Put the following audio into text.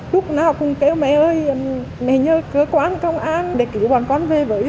lúc nào cũng kêu mẹ ơi mẹ nhớ cơ quan công an để cứu bọn con về với giờ